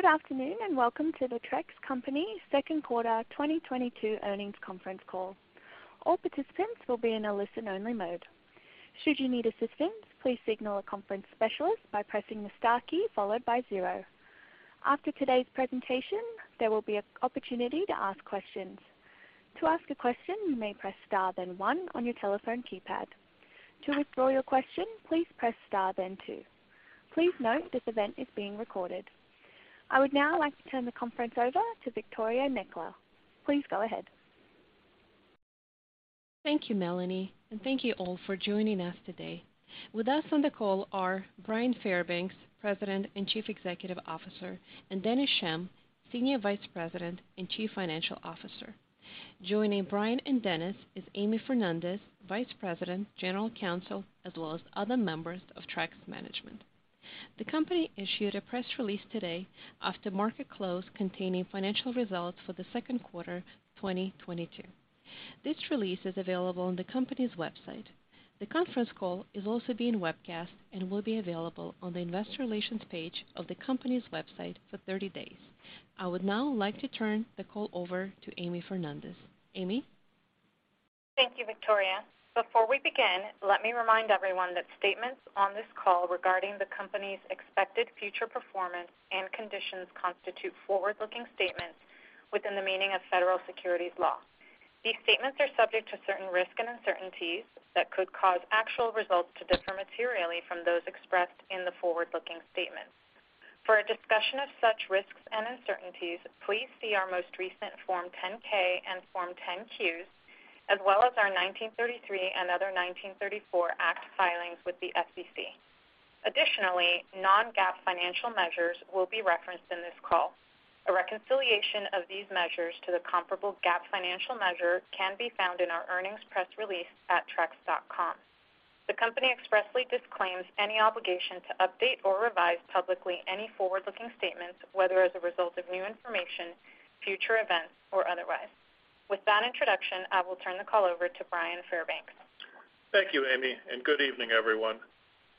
Good afternoon, and welcome to the Trex Company second quarter 2022 earnings conference call. All participants will be in a listen-only mode. Should you need assistance, please signal a conference specialist by pressing the star key followed by zero. After today's presentation, there will be an opportunity to ask questions. To ask a question, you may press star, then one on your telephone keypad. To withdraw your question, please press star, then two. Please note this event is being recorded. I would now like to turn the conference over to Viktoriia Nakhla. Please go ahead. Thank you, Melanie, and thank you all for joining us today. With us on the call are Bryan Fairbanks, President and Chief Executive Officer, and Dennis Schemm, Senior Vice President and Chief Financial Officer. Joining Bryan and Dennis is Amy M. Fernandez, Vice President, General Counsel, as well as other members of Trex management. The company issued a press release today after market close containing financial results for the second quarter 2022. This release is available on the company's website. The conference call is also being webcast and will be available on the investor relations page of the company's website for 30 days. I would now like to turn the call over to Amy M. Fernandez. Amy? Thank you, Viktoriia. Before we begin, let me remind everyone that statements on this call regarding the company's expected future performance and conditions constitute forward-looking statements within the meaning of federal securities law. These statements are subject to certain risks and uncertainties that could cause actual results to differ materially from those expressed in the forward-looking statements. For a discussion of such risks and uncertainties, please see our most recent Form 10-K and Form 10-Qs, as well as our 1933 and other 1934 Act filings with the SEC. Additionally, non-GAAP financial measures will be referenced in this call. A reconciliation of these measures to the comparable GAAP financial measure can be found in our earnings press release at trex.com. The company expressly disclaims any obligation to update or revise publicly any forward-looking statements, whether as a result of new information, future events or otherwise. With that introduction, I will turn the call over to Bryan Fairbanks. Thank you, Amy, and good evening, everyone.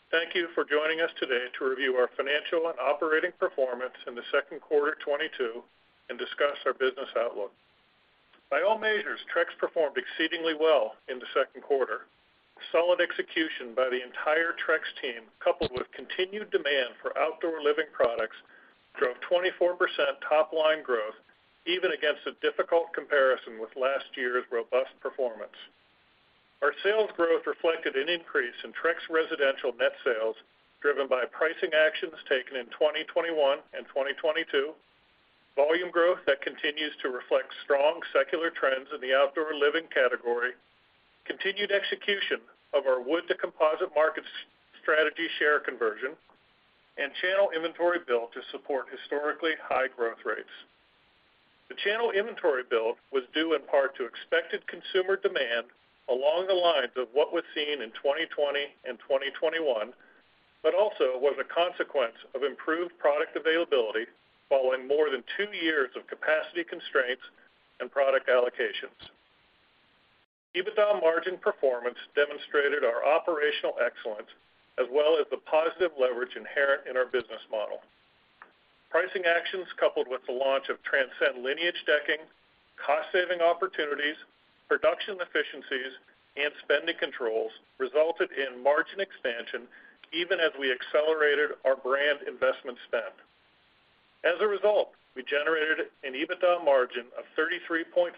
Thank you for joining us today to review our financial and operating performance in the second quarter 2022 and discuss our business outlook. By all measures, Trex performed exceedingly well in the second quarter. Solid execution by the entire Trex team, coupled with continued demand for outdoor living products, drove 24% top line growth even against a difficult comparison with last year's robust performance. Our sales growth reflected an increase in Trex residential net sales, driven by pricing actions taken in 2021 and 2022. Volume growth that continues to reflect strong secular trends in the outdoor living category, continued execution of our wood to composite market strategy share conversion, and channel inventory build to support historically high growth rates. The channel inventory build was due in part to expected consumer demand along the lines of what was seen in 2020 and 2021, but also was a consequence of improved product availability following more than two years of capacity constraints and product allocations. EBITDA margin performance demonstrated our operational excellence as well as the positive leverage inherent in our business model. Pricing actions, coupled with the launch of Transcend Lineage decking, cost saving opportunities, production efficiencies, and spending controls resulted in margin expansion even as we accelerated our brand investment spend. As a result, we generated an EBITDA margin of 33.4%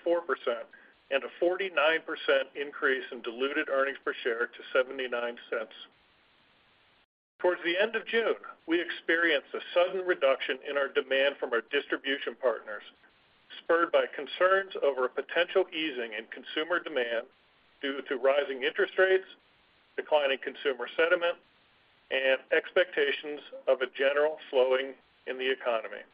and a 49% increase in diluted earnings per share to $0.79. Towards the end of June, we experienced a sudden reduction in our demand from our distribution partners, spurred by concerns over a potential easing in consumer demand due to rising interest rates, declining consumer sentiment, and expectations of a general slowing in the economy.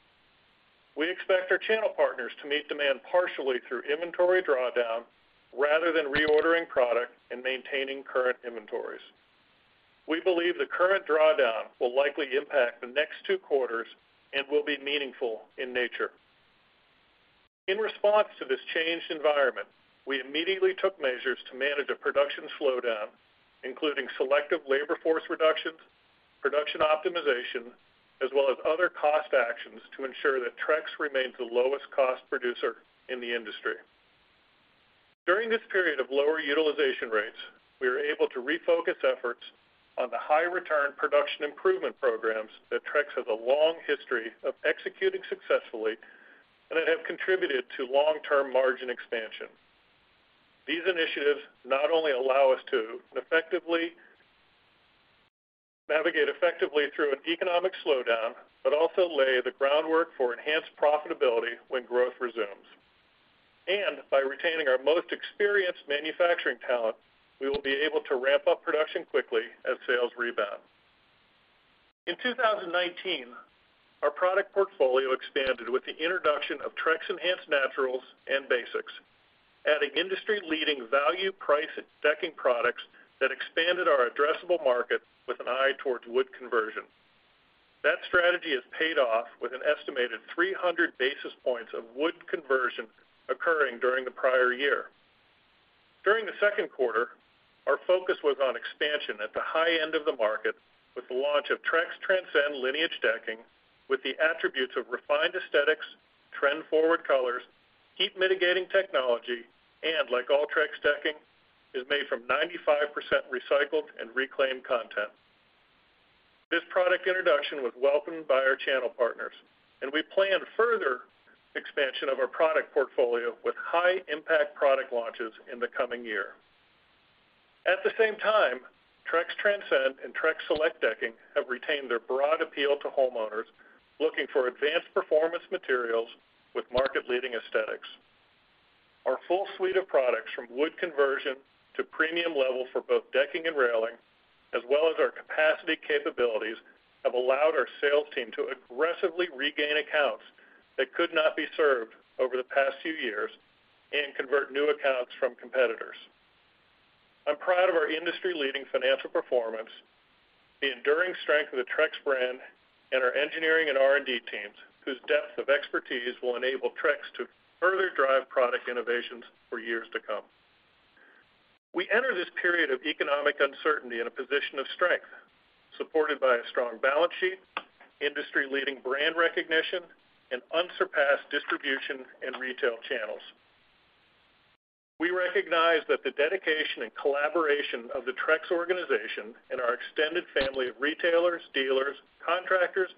We expect our channel partners to meet demand partially through inventory drawdown rather than reordering product and maintaining current inventories. We believe the current drawdown will likely impact the next two quarters and will be meaningful in nature. In response to this changed environment, we immediately took measures to manage a production slowdown, including selective labor force reductions, production optimization, as well as other cost actions to ensure that Trex remains the lowest cost producer in the industry. During this period of lower utilization rates, we are able to refocus efforts on the high return production improvement programs that Trex has a long history of executing successfully and that have contributed to long-term margin expansion. These initiatives not only allow us to navigate effectively through an economic slowdown, but also lay the groundwork for enhanced profitability when growth resumes. By retaining our most experienced manufacturing talent, we will be able to ramp up production quickly as sales rebound. In 2019, our product portfolio expanded with the introduction of Trex Enhance Naturals and Basics, adding industry-leading value price decking products that expanded our addressable market with an eye towards wood conversion. That strategy has paid off with an estimated 300 basis points of wood conversion occurring during the prior year. During the second quarter, our focus was on expansion at the high end of the market with the launch of Trex Transcend Lineage decking with the attributes of refined aesthetics, trend-forward colors, heat-mitigating technology, and like all Trex decking, is made from 95% recycled and reclaimed content. This product introduction was welcomed by our channel partners, and we plan further expansion of our product portfolio with high impact product launches in the coming year. At the same time, Trex Transcend and Trex Select decking have retained their broad appeal to homeowners looking for advanced performance materials with market-leading aesthetics. Our full suite of products, from wood conversion to premium level for both decking and railing, as well as our capacity capabilities, have allowed our sales team to aggressively regain accounts that could not be served over the past few years and convert new accounts from competitors. I'm proud of our industry-leading financial performance, the enduring strength of the Trex brand, and our engineering and R&D teams, whose depth of expertise will enable Trex to further drive product innovations for years to come. We enter this period of economic uncertainty in a position of strength, supported by a strong balance sheet, industry-leading brand recognition, and unsurpassed distribution in retail channels. We recognize that the dedication and collaboration of the Trex organization and our extended family of retailers, dealers, contractors,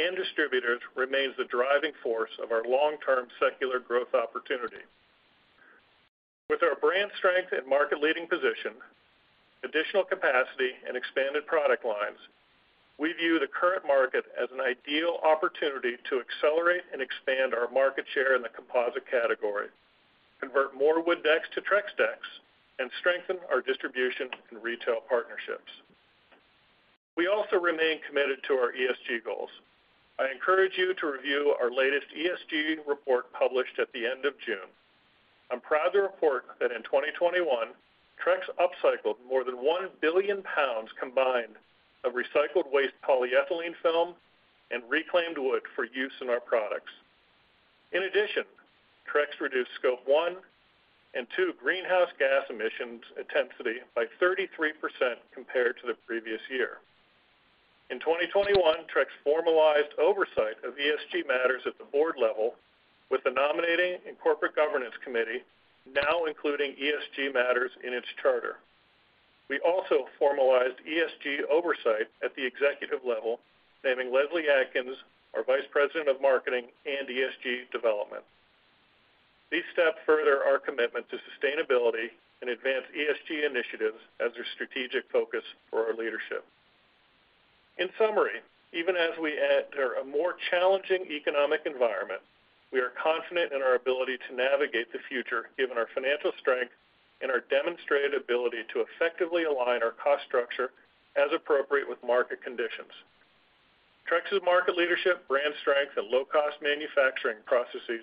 and distributors remains the driving force of our long-term secular growth opportunity. With our brand strength and market leading position, additional capacity, and expanded product lines, we view the current market as an ideal opportunity to accelerate and expand our market share in the composite category, convert more wood decks to Trex decks, and strengthen our distribution and retail partnerships. We also remain committed to our ESG goals. I encourage you to review our latest ESG report published at the end of June. I'm proud to report that in 2021, Trex upcycled more than 1 billion pounds combined of recycled waste polyethylene film and reclaimed wood for use in our products. In addition, Trex reduced scope one and two greenhouse gas emissions intensity by 33% compared to the previous year. In 2021, Trex formalized oversight of ESG matters at the board level with the nominating and corporate governance committee now including ESG matters in its charter. We also formalized ESG oversight at the executive level, naming Leslie Adkins, our Vice President of Marketing and ESG Development. These steps further our commitment to sustainability and advance ESG initiatives as a strategic focus for our leadership. In summary, even as we enter a more challenging economic environment, we are confident in our ability to navigate the future given our financial strength and our demonstrated ability to effectively align our cost structure as appropriate with market conditions. Trex's market leadership, brand strength, and low-cost manufacturing processes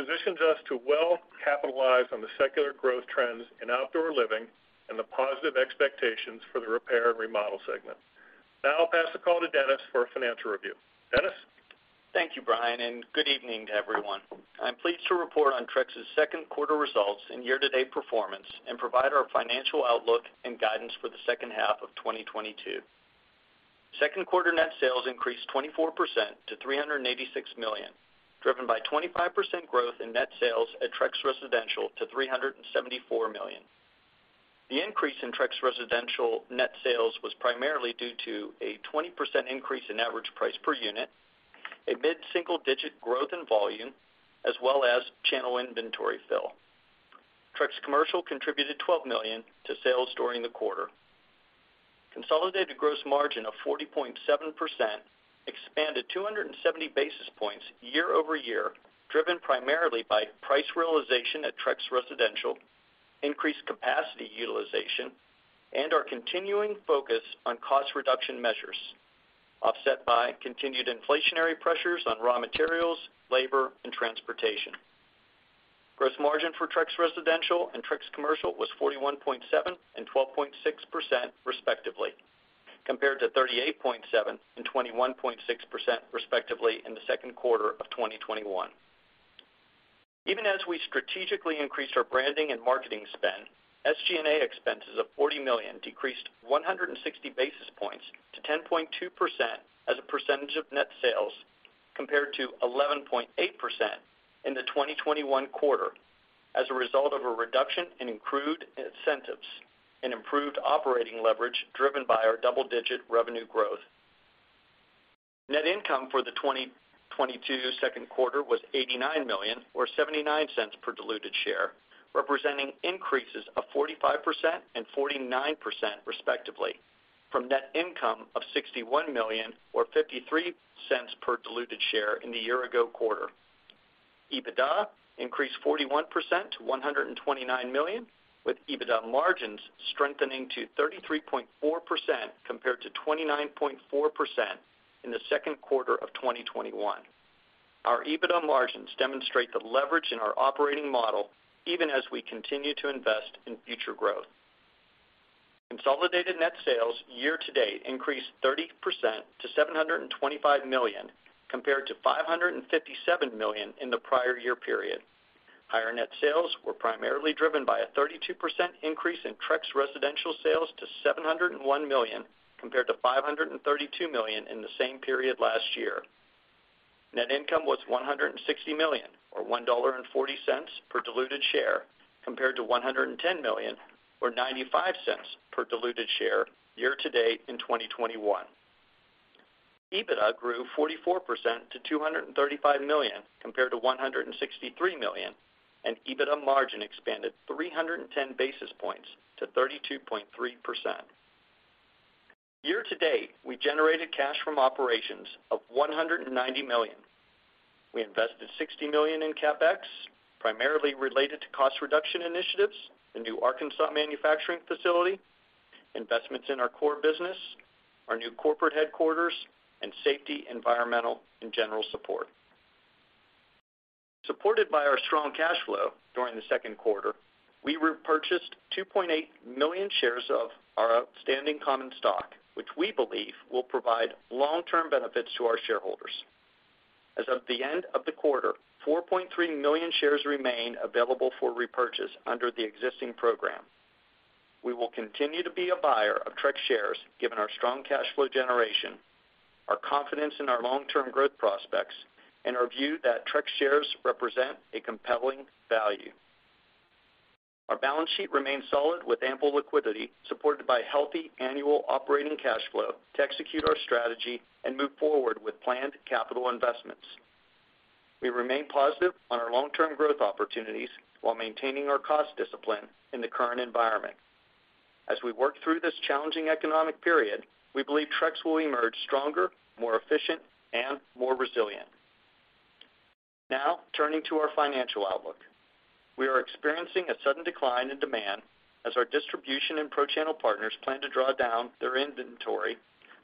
positions us to well capitalize on the secular growth trends in outdoor living and the positive expectations for the repair and remodel segment. Now I'll pass the call to Dennis for a financial review. Dennis? Thank you, Brian, and good evening to everyone. I'm pleased to report on Trex's second quarter results and year-to-date performance and provide our financial outlook and guidance for the second half of 2022. Second quarter net sales increased 24% to $386 million, driven by 25% growth in net sales at Trex Residential to $374 million. The increase in Trex Residential net sales was primarily due to a 20% increase in average price per unit, a mid-single digit growth in volume, as well as channel inventory fill. Trex Commercial contributed $12 million to sales during the quarter. Consolidated gross margin of 40.7% expanded 270 basis points year-over-year, driven primarily by price realization at Trex Residential, increased capacity utilization, and our continuing focus on cost reduction measures, offset by continued inflationary pressures on raw materials, labor, and transportation. Gross margin for Trex Residential and Trex Commercial was 41.7% and 12.6%, respectively, compared to 38.7% and 21.6%, respectively, in the second quarter of 2021. Even as we strategically increased our branding and marketing spend, SG&A expenses of $40 million decreased 160 basis points to 10.2% as a percentage of net sales, compared to 11.8% in the 2021 quarter as a result of a reduction in accrued incentives and improved operating leverage driven by our double-digit revenue growth. Net income for the 2022 second quarter was $89 million or $0.79 per diluted share, representing increases of 45% and 49%, respectively, from net income of $61 million or $0.53 per diluted share in the year ago quarter. EBITDA increased 41% to $129 million, with EBITDA margins strengthening to 33.4% compared to 29.4% in the second quarter of 2021. Our EBITDA margins demonstrate the leverage in our operating model even as we continue to invest in future growth. Consolidated net sales year-to-date increased 30% to $725 million compared to $557 million in the prior year period. Higher net sales were primarily driven by a 32% increase in Trex Residential sales to $701 million compared to $532 million in the same period last year. Net income was $160 million, or $1.40 per diluted share, compared to $110 million or $0.95 per diluted share year-to-date in 2021. EBITDA grew 44% to $235 million compared to $163 million, and EBITDA margin expanded 310 basis points to 32.3%. Year to date, we generated cash from operations of $190 million. We invested $60 million in CapEx, primarily related to cost reduction initiatives, the new Arkansas manufacturing facility, investments in our core business, our new corporate headquarters, and safety, environmental, and general support. Supported by our strong cash flow during the second quarter, we repurchased 2.8 million shares of our outstanding common stock, which we believe will provide long-term benefits to our shareholders. As of the end of the quarter, 4.3 million shares remain available for repurchase under the existing program. We will continue to be a buyer of Trex shares, given our strong cash flow generation, our confidence in our long-term growth prospects, and our view that Trex shares represent a compelling value. Our balance sheet remains solid with ample liquidity supported by healthy annual operating cash flow to execute our strategy and move forward with planned capital investments. We remain positive on our long-term growth opportunities while maintaining our cost discipline in the current environment. As we work through this challenging economic period, we believe Trex will emerge stronger, more efficient, and more resilient. Now turning to our financial outlook. We are experiencing a sudden decline in demand as our distribution and pro-channel partners plan to draw down their inventory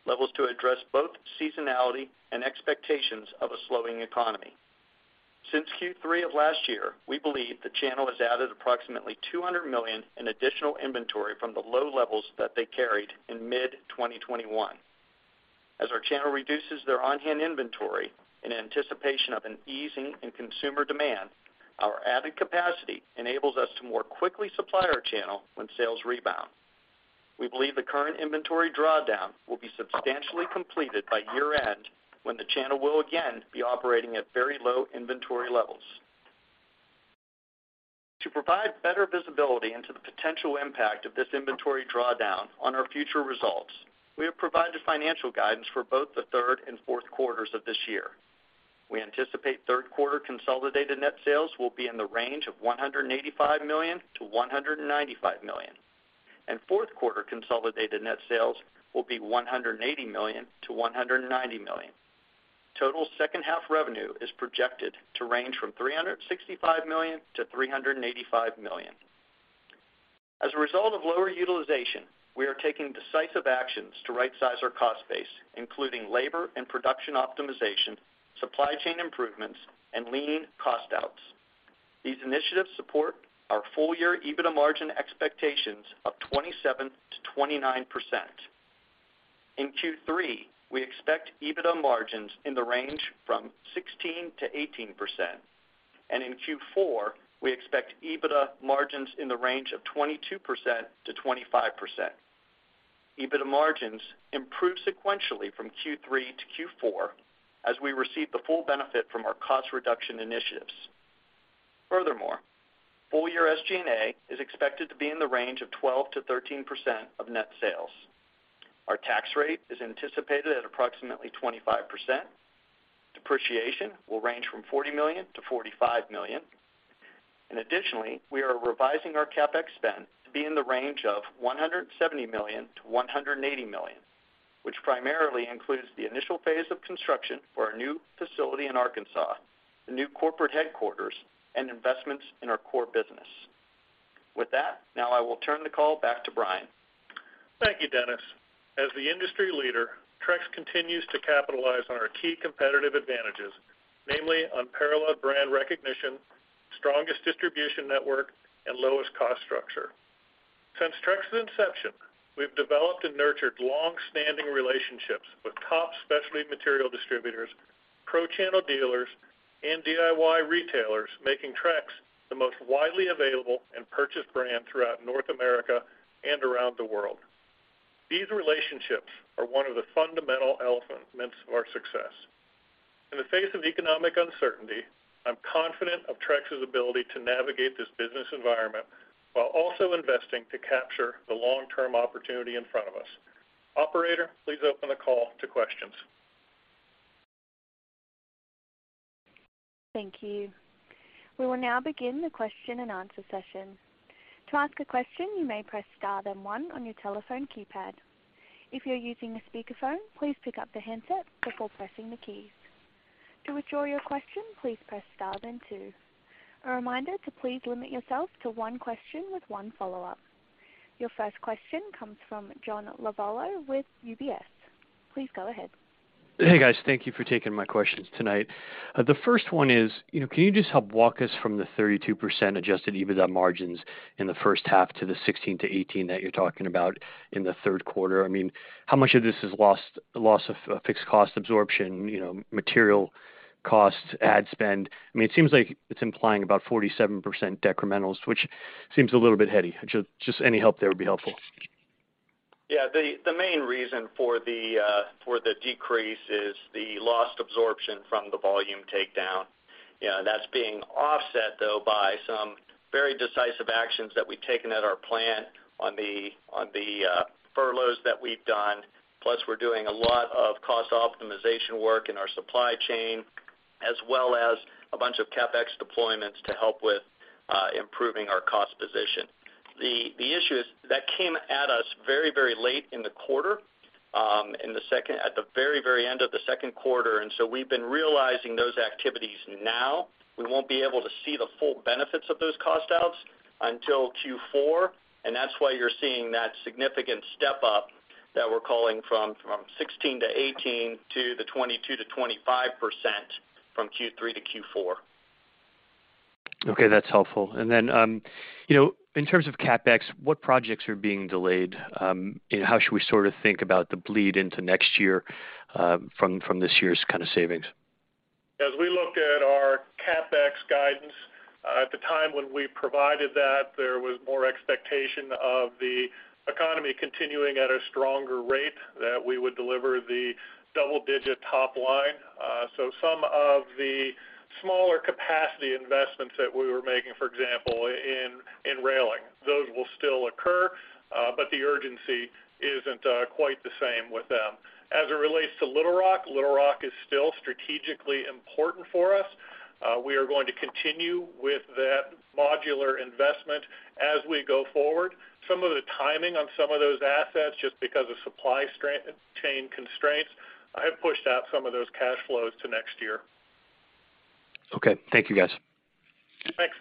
levels to address both seasonality and expectations of a slowing economy. Since Q3 of last year, we believe the channel has added approximately $200 million in additional inventory from the low levels that they carried in mid-2021. As our channel reduces their on-hand inventory in anticipation of an easing in consumer demand, our added capacity enables us to more quickly supply our channel when sales rebound. We believe the current inventory drawdown will be substantially completed by year-end, when the channel will again be operating at very low inventory levels. To provide better visibility into the potential impact of this inventory drawdown on our future results, we have provided financial guidance for both the third and fourth quarters of this year. We anticipate third quarter consolidated net sales will be in the range of $185 million-$195 million, and fourth quarter consolidated net sales will be $180 million-$190 million. Total second half revenue is projected to range from $365 million-$385 million. As a result of lower utilization, we are taking decisive actions to right size our cost base, including labor and production optimization, supply chain improvements, and lean cost outs. These initiatives support our full-year EBITDA margin expectations of 27%-29%. In Q3, we expect EBITDA margins in the range from 16%-18%, and in Q4, we expect EBITDA margins in the range of 22%-25%. EBITDA margins improve sequentially from Q3 to Q4 as we receive the full benefit from our cost reduction initiatives. Furthermore, full year SG&A is expected to be in the range of 12%-13% of net sales. Our tax rate is anticipated at approximately 25%. Depreciation will range from $40 million-$45 million. Additionally, we are revising our CapEx spend to be in the range of $170 million-$180 million, which primarily includes the initial phase of construction for our new facility in Arkansas, the new corporate headquarters and investments in our core business. With that, now I will turn the call back to Bryan. Thank you, Dennis. As the industry leader, Trex continues to capitalize on our key competitive advantages, namely unparalleled brand recognition, strongest distribution network, and lowest cost structure. Since Trex's inception, we've developed and nurtured long-standing relationships with top specialty material distributors, pro channel dealers, and DIY retailers, making Trex the most widely available and purchased brand throughout North America and around the world. These relationships are one of the fundamental elements of our success. In the face of economic uncertainty, I'm confident of Trex's ability to navigate this business environment while also investing to capture the long-term opportunity in front of us. Operator, please open the call to questions. Thank you. We will now begin the question and answer session. To ask a question, you may press star then one on your telephone keypad. If you're using a speakerphone, please pick up the handset before pressing the keys. To withdraw your question, please press star then two. A reminder to please limit yourself to one question with one follow-up. Your first question comes from John Lovallo with UBS. Please go ahead. Hey guys, thank you for taking my questions tonight. The first one is, you know, can you just help walk us from the 32% adjusted EBITDA margins in the first half to the 16%-18% that you're talking about in the third quarter? I mean, how much of this is loss of fixed cost absorption, you know, material costs, ad spend? I mean, it seems like it's implying about 47% decrementals, which seems a little bit heady. Just any help there would be helpful. Yeah. The main reason for the decrease is the lost absorption from the volume takedown. You know, that's being offset though by some very decisive actions that we've taken at our plant on the furloughs that we've done. Plus, we're doing a lot of cost optimization work in our supply chain, as well as a bunch of CapEx deployments to help with improving our cost position. The issue is that came at us very, very late in the quarter, at the very, very end of the second quarter, and so we've been realizing those activities now. We won't be able to see the full benefits of those cost outs until Q4, and that's why you're seeing that significant step up that we're calling from 16%-18% to 22%-25% from Q3 to Q4. Okay, that's helpful. Then, you know, in terms of CapEx, what projects are being delayed, and how should we sort of think about the bleed into next year, from this year's kind of savings? As we look at our CapEx guidance, at the time when we provided that, there was more expectation of the economy continuing at a stronger rate that we would deliver the double-digit top line. Some of the smaller capacity investments that we were making, for example, in railing, those will still occur, but the urgency isn't quite the same with them. As it relates to Little Rock, Little Rock is still strategically important for us. We are going to continue with that modular investment as we go forward. Some of the timing on some of those assets, just because of supply chain constraints, I have pushed out some of those cash flows to next year. Okay. Thank you, guys. Thanks.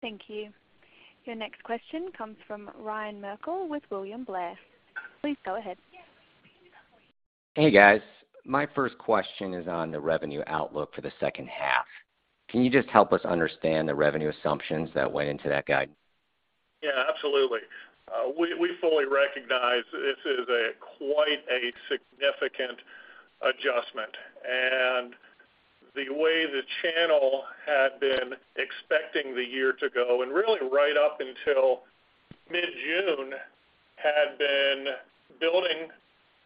Thank you. Your next question comes from Ryan Merkel with William Blair. Please go ahead. Hey, guys. My first question is on the revenue outlook for the second half. Can you just help us understand the revenue assumptions that went into that guide? Yeah, absolutely. We fully recognize this is quite a significant adjustment. The way the channel had been expecting the year to go, and really right up until mid-June, had been building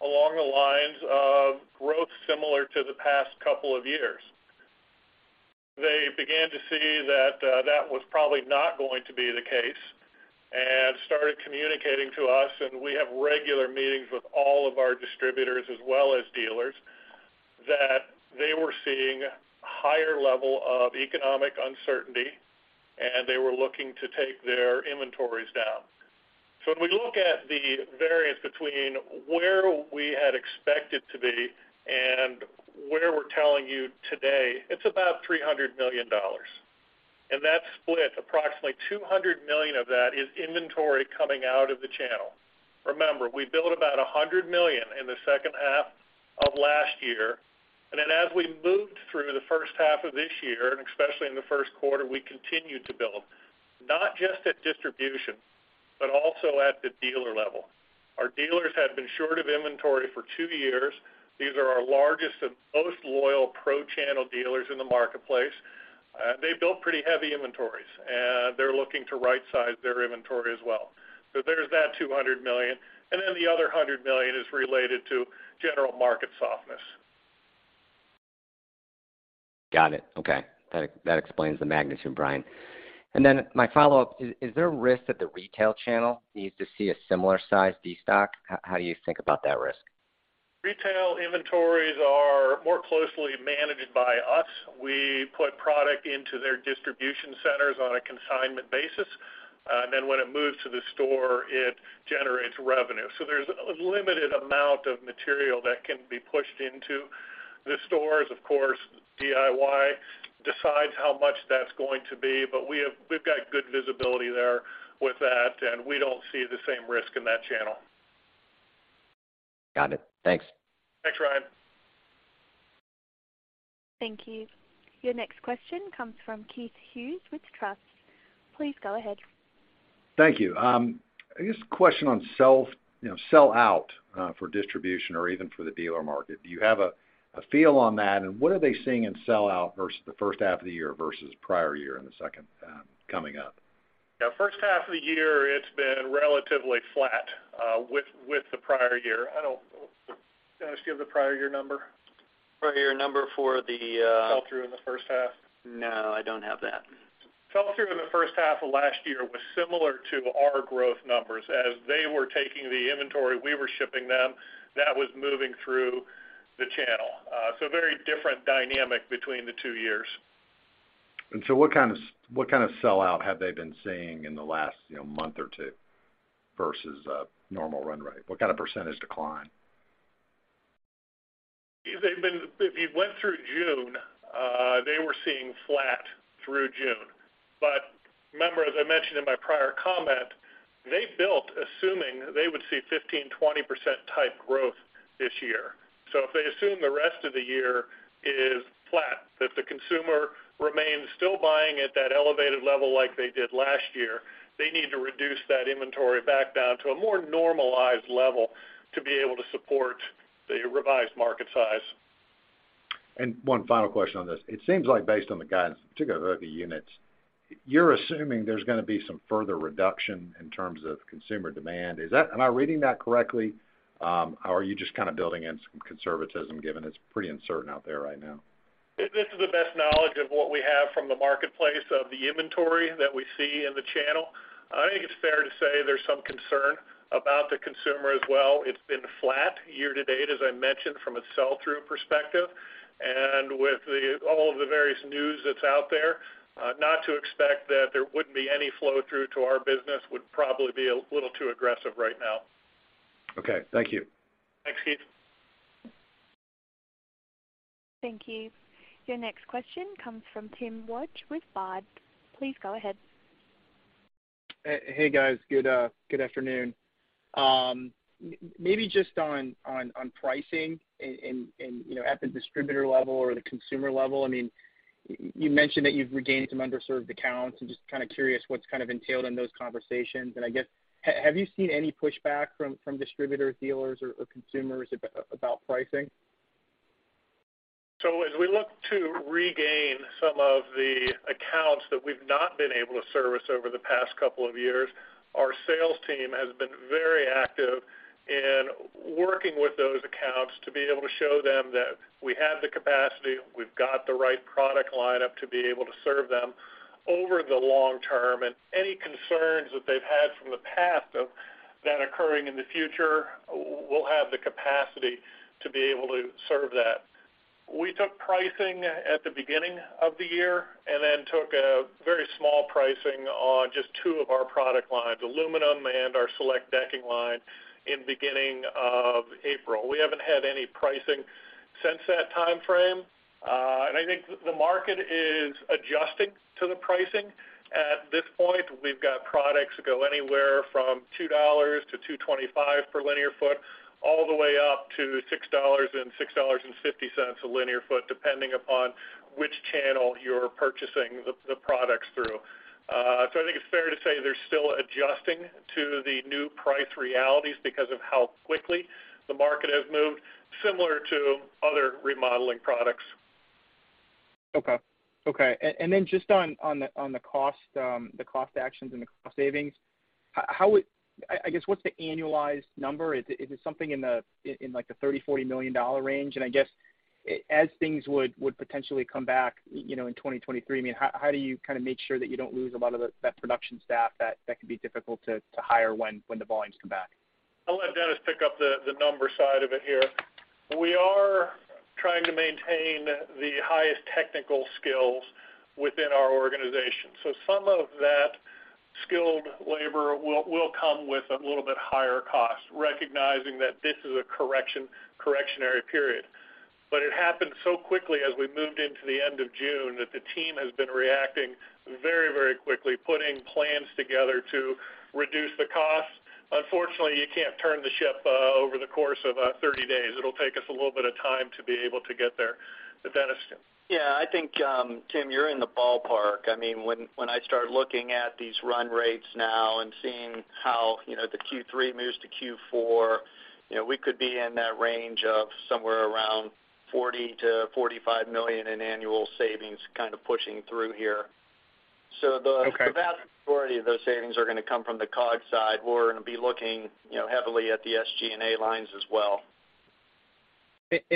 along the lines of growth similar to the past couple of years. They began to see that was probably not going to be the case and started communicating to us, and we have regular meetings with all of our distributors as well as dealers, that they were seeing higher level of economic uncertainty, and they were looking to take their inventories down. When we look at the variance between where we had expected to be and where we're telling you today, it's about $300 million. That's split, approximately $200 million of that is inventory coming out of the channel. Remember, we built about $100 million in the second half of last year. Then as we moved through the first half of this year, and especially in the first quarter, we continued to build, not just at distribution, but also at the dealer level. Our dealers had been short of inventory for two years. These are our largest and most loyal pro-channel dealers in the marketplace. They built pretty heavy inventories, and they're looking to right size their inventory as well. There's that $200 million, and then the other $100 million is related to general market softness. Got it. Okay. That explains the magnitude, Bryan. My follow-up, is there risk that the retail channel needs to see a similar size destock? How do you think about that risk? Retail inventories are more closely managed by us. We put product into their distribution centers on a consignment basis. When it moves to the store, it generates revenue. There's a limited amount of material that can be pushed into the stores. Of course, DIY decides how much that's going to be, but we've got good visibility there with that, and we don't see the same risk in that channel. Got it. Thanks. Thanks, Ryan. Thank you. Your next question comes from Keith Hughes with Truist. Please go ahead. Thank you. I guess the question on sell, you know, sell out for distribution or even for the dealer market. Do you have a feel on that? What are they seeing in sell out versus the first half of the year versus prior year in the second coming up? Yeah, first half of the year, it's been relatively flat with the prior year. Can I just give the prior year number? Prior year number for the Sell-through in the first half. No, I don't have that. Sell-through in the first half of last year was similar to our growth numbers. As they were taking the inventory we were shipping them, that was moving through the channel. Very different dynamic between the two years. What kind of sell out have they been seeing in the last, you know, month or two versus normal run rate? What kind of percentage decline? If you went through June, they were seeing flat through June. Remember, as I mentioned in my prior comment, they built assuming they would see 15%-20% type growth this year. If they assume the rest of the year is flat, that the consumer remains still buying at that elevated level like they did last year, they need to reduce that inventory back down to a more normalized level to be able to support the revised market size. One final question on this. It seems like based on the guidance, particularly the units, you're assuming there's gonna be some further reduction in terms of consumer demand. Am I reading that correctly? Are you just kind of building in some conservatism given it's pretty uncertain out there right now? This is the best knowledge of what we have from the marketplace of the inventory that we see in the channel. I think it's fair to say there's some concern about the consumer as well. It's been flat year-to-date, as I mentioned, from a sell-through perspective. With all of the various news that's out there, not to expect that there wouldn't be any flow-through to our business would probably be a little too aggressive right now. Okay, thank you. Thanks, Keith. Thank you. Your next question comes from Timothy Wojs with Baird. Please go ahead. Hey, guys. Good afternoon. Maybe just on pricing and, you know, at the distributor level or the consumer level, I mean, you mentioned that you've regained some underserved accounts. I'm just kind of curious what's kind of entailed in those conversations. I guess, have you seen any pushback from distributors, dealers or consumers about pricing? As we look to regain some of the accounts that we've not been able to service over the past couple of years, our sales team has been very active in working with those accounts to be able to show them that we have the capacity, we've got the right product lineup to be able to serve them over the long term. Any concerns that they've had from the past of that occurring in the future, we'll have the capacity to be able to serve that. We took pricing at the beginning of the year and then took a very small pricing on just two of our product lines, Aluminum and our Select decking line in beginning of April. We haven't had any pricing since that timeframe. I think the market is adjusting to the pricing. At this point, we've got products that go anywhere from $2 to $2.25 per linear foot, all the way up to $6 and $6.50 a linear foot, depending upon which channel you're purchasing the products through. I think it's fair to say they're still adjusting to the new price realities because of how quickly the market has moved, similar to other remodeling products. Just on the cost actions and the cost savings, how would I guess what's the annualized number? Is it something in, like, the $30-$40 million range? As things would potentially come back, you know, in 2023, I mean, how do you kind of make sure that you don't lose a lot of that production staff that can be difficult to hire when the volumes come back? I'll let Dennis pick up the number side of it here. We are trying to maintain the highest technical skills within our organization. Some of that skilled labor will come with a little bit higher cost, recognizing that this is a corrective period. It happened so quickly as we moved into the end of June that the team has been reacting very, very quickly, putting plans together to reduce the cost. Unfortunately, you can't turn the ship over the course of 30 days. It'll take us a little bit of time to be able to get there. Dennis? Yeah, I think, Tim, you're in the ballpark. I mean, when I start looking at these run rates now and seeing how, you know, the Q3 moves to Q4, you know, we could be in that range of somewhere around $40 million-$45 million in annual savings kind of pushing through here. Okay. The vast majority of those savings are gonna come from the COGS side. We're gonna be looking, you know, heavily at the SG&A lines as well.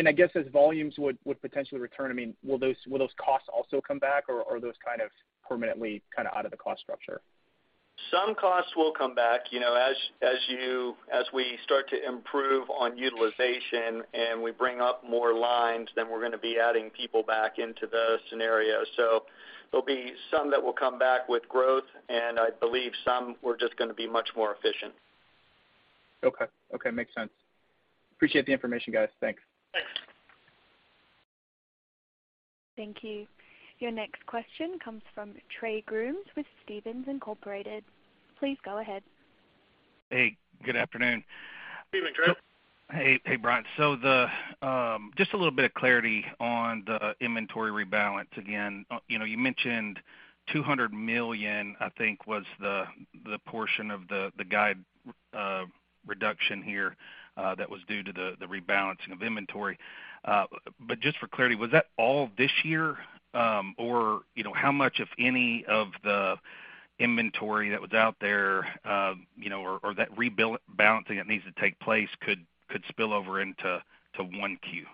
I guess as volumes would potentially return, I mean, will those costs also come back, or are those kind of permanently kind of out of the cost structure? Some costs will come back. You know, as we start to improve on utilization and we bring up more lines, then we're gonna be adding people back into those scenarios. There'll be some that will come back with growth, and I believe some we're just gonna be much more efficient. Okay. Makes sense. Appreciate the information, guys. Thanks. Thanks. Thank you. Your next question comes from Trey Grooms with Stephens Inc. Please go ahead. Hey, good afternoon. Evening, Trey. Hey, hey, Bryan. Just a little bit of clarity on the inventory rebalance. Again, you know, you mentioned $200 million, I think was the portion of the guidance reduction here that was due to the rebalancing of inventory. Just for clarity, was that all this year? You know, how much of any of the inventory that was out there, you know, or that rebalancing that needs to take place could spill over into 1Q?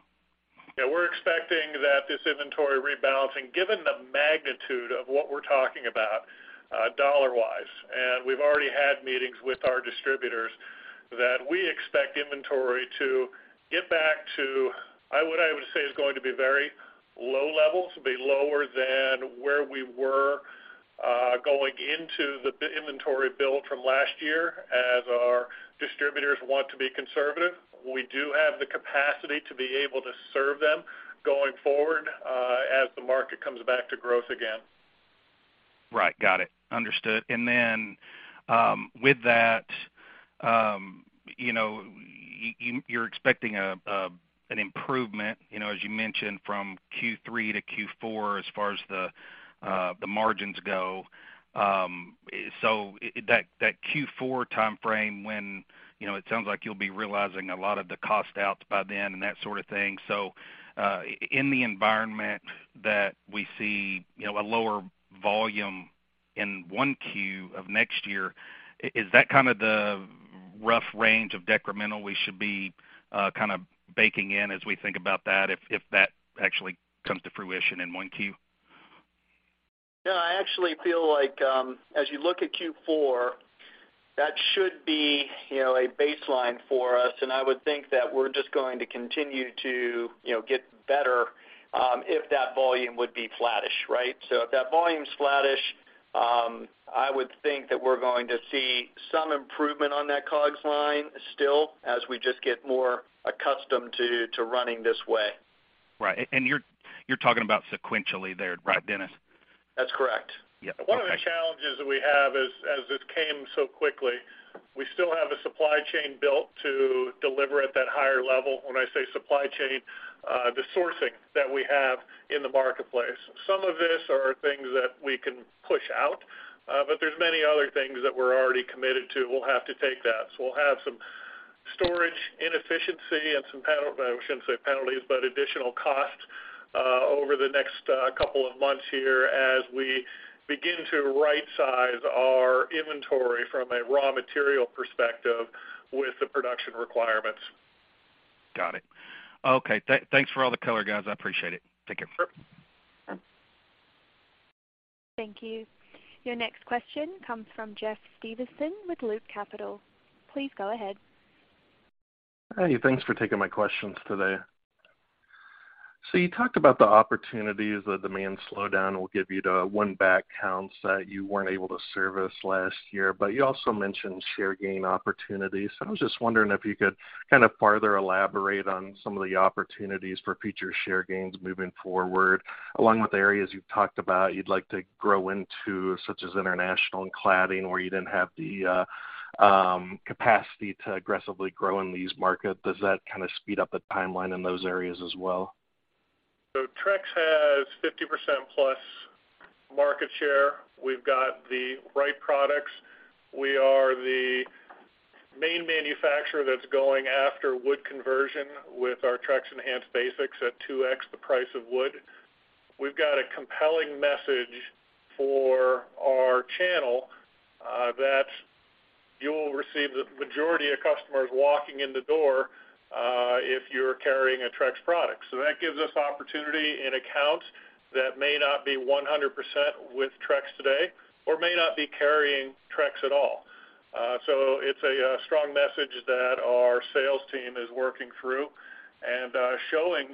Yeah, we're expecting that this inventory rebalancing, given the magnitude of what we're talking about, dollar-wise, and we've already had meetings with our distributors, that we expect inventory to get back to, I would say, is going to be very low levels, be lower than where we were, going into the inventory build from last year as our distributors want to be conservative. We do have the capacity to be able to serve them going forward, as the market comes back to growth again. Right. Got it. Understood. With that, you know, you're expecting an improvement, you know, as you mentioned, from Q3 to Q4 as far as the margins go. That Q4 timeframe when, you know, it sounds like you'll be realizing a lot of the cost outs by then and that sort of thing. In the environment that we see, you know, a lower volume in one Q of next year, is that kind of the rough range of decremental we should be kind of baking in as we think about that if that actually comes to fruition in one Q? No, I actually feel like, as you look at Q4, that should be, you know, a baseline for us, and I would think that we're just going to continue to, you know, get better, if that volume would be flattish, right? If that volume's flattish, I would think that we're going to see some improvement on that COGS line still as we just get more accustomed to running this way. Right. You're talking about sequentially there, right, Dennis? That's correct. Yeah. Okay. One of the challenges that we have is as this came so quickly, we still have a supply chain built to deliver at that higher level. When I say supply chain, the sourcing that we have in the marketplace. Some of this are things that we can push out, but there's many other things that we're already committed to, we'll have to take that. We'll have some storage inefficiency and some, well, I shouldn't say penalties, but additional costs, over the next couple of months here as we begin to rightsize our inventory from a raw material perspective with the production requirements. Got it. Okay. Thanks for all the color, guys. I appreciate it. Take care. Sure. Sure. Thank you. Your next question comes from Jeffrey Stevenson with Loop Capital. Please go ahead. Hey, thanks for taking my questions today. You talked about the opportunities the demand slowdown will give you to win back accounts that you weren't able to service last year, but you also mentioned share gain opportunities. I was just wondering if you could kind of further elaborate on some of the opportunities for future share gains moving forward, along with areas you've talked about you'd like to grow into, such as international and cladding, where you didn't have the capacity to aggressively grow in these markets. Does that kind of speed up the timeline in those areas as well? Trex has 50% plus market share. We've got the right products. We are the main manufacturer that's going after wood conversion with our Trex Enhance Basics at 2x the price of wood. We've got a compelling message for our channel, that you'll receive the majority of customers walking in the door, if you're carrying a Trex product. That gives us opportunity in accounts that may not be 100% with Trex today or may not be carrying Trex at all. Strong message that our sales team is working through and, showing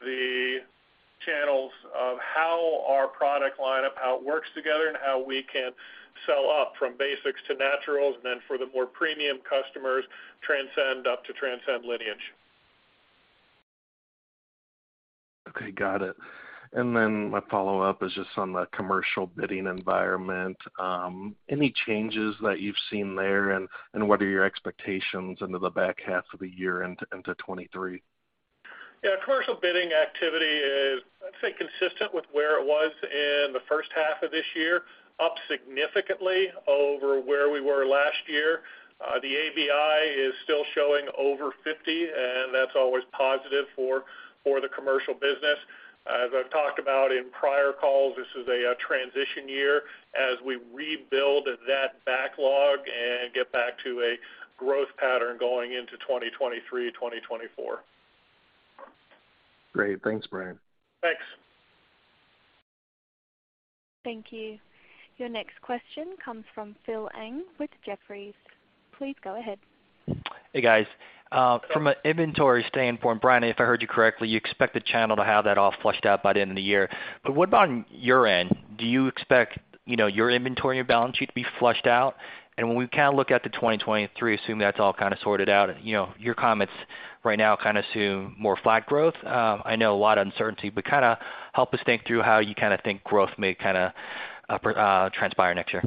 the channels of how our product line up, how it works together, and how we can sell up from Basics to Naturals, and then for the more premium customers, Transcend up to Transcend Lineage. Okay, got it. My follow-up is just on the commercial bidding environment. Any changes that you've seen there, and what are your expectations into the back half of the year into 2023? Yeah, commercial bidding activity is, I'd say, consistent with where it was in the first half of this year, up significantly over where we were last year. The ABI is still showing over 50, and that's always positive for the commercial business. As I've talked about in prior calls, this is a transition year as we rebuild that backlog and get back to a growth pattern going into 2023, 2024. Great. Thanks, Bryan. Thanks. Thank you. Your next question comes from Phil Ng with Jefferies. Please go ahead. Hey, guys. From an inventory standpoint, Bryan, if I heard you correctly, you expect the channel to have that all flushed out by the end of the year. What about on your end? Do you expect, you know, your inventory balance sheet to be flushed out? When we kind of look at the 2023, assuming that's all kind of sorted out, you know, your comments right now kind of assume more flat growth. I know a lot of uncertainty, but kind of help us think through how you kind of think growth may kind of transpire next year.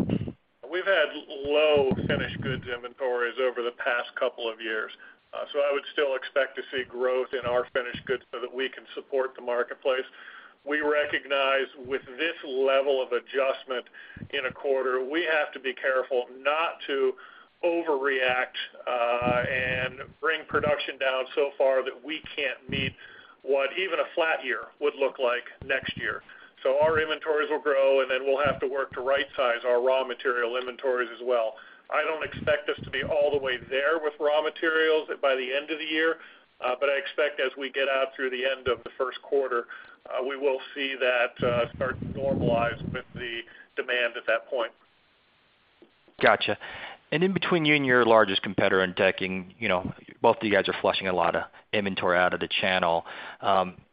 We've had low finished goods inventories over the past couple of years, so I would still expect to see growth in our finished goods so that we can support the marketplace. We recognize with this level of adjustment in a quarter, we have to be careful not to overreact, and bring production down so far that we can't meet what even a flat year would look like next year. Our inventories will grow, and then we'll have to work to rightsize our raw material inventories as well. I don't expect us to be all the way there with raw materials by the end of the year, but I expect as we get out through the end of the first quarter, we will see that start to normalize with the demand at that point. Gotcha. In between you and your largest competitor in decking, you know, both of you guys are flushing a lot of inventory out of the channel.